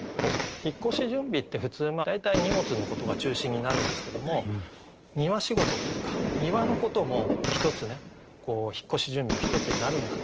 「引越準備」って普通大体荷物のことが中心になるんですけども庭仕事というか庭のことも一つね「引越準備」の一つになるんだと。